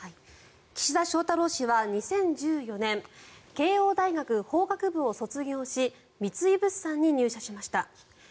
岸田翔太郎氏は２０１４年慶應大学法学部を卒業し三井物産に入社しました。